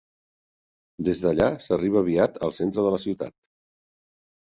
Des d'allà s'arriba aviat al centre de la ciutat.